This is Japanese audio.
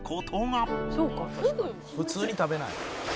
「普通に食べない？」